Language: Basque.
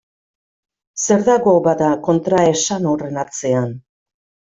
Zer dago, bada, kontraesan horren atzean?